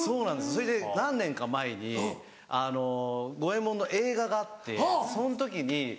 それで何年か前に五ェ門の映画があってその時に。